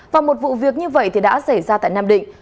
và một vụ việc như vậy thì đã xảy ra tại nam định